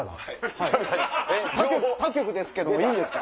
他局ですけどいいですか？